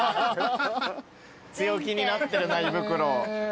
強気になってるな胃袋。